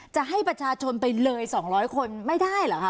จะให้ประชาชนไปเลยสองร้อยคนไม่ได้เหรอค่ะ